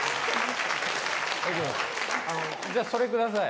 あの、じゃあそれください。